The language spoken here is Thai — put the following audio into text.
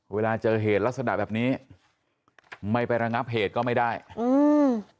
เวลาเจอเหตุลักษณะแบบนี้ไม่ไประงับเหตุก็ไม่ได้อืม